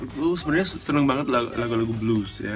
gue sebenernya seneng banget lagu lagu blues ya